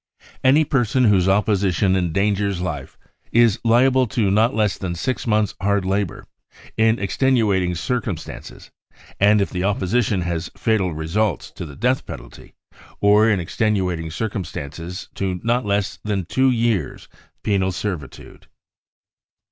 *" Any person whose opposition endangers life is liable to not less than six ''months hard labour, in extenuating circumstances, and if the opposition has fatal results, to the death penalty, or in extenuating circumstances to not less than two years penal servitude.